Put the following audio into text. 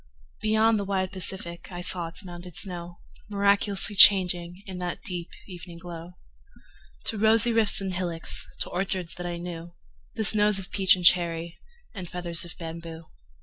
Beyond the wide Pacific I saw its mounded snow Miraculously changing In that deep evening glow, To rosy rifts and hillocks, To orchards that I knew, The snows or peach and cherry, And feathers of bamboo.